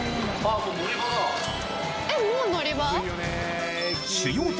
えっもう乗り場？